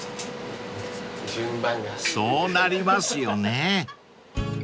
［そうなりますよね］